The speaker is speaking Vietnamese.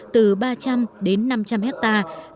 từ ba trăm linh đến năm trăm linh hectare